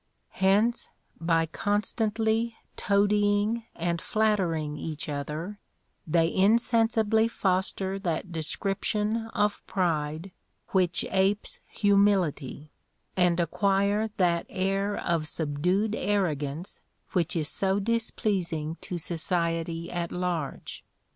Hence, by constantly toadying and flattering each other, they insensibly foster that description of pride which apes humility, and acquire that air of subdued arrogance which is so displeasing to society at large.